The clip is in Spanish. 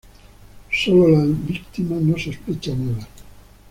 Sólo la víctima no sospecha nada.